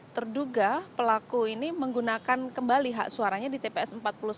terduga pelaku ini menggunakan kembali hak suaranya di tps empat puluh sembilan